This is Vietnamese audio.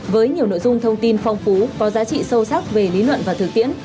với nhiều nội dung thông tin phong phú có giá trị sâu sắc về lý luận và thực tiễn